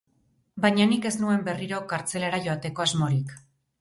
Baina nik ez nuen berriro kartzelara joateko asmorik.